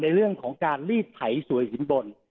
ในเรื่องของการลีดไถสวยหินบน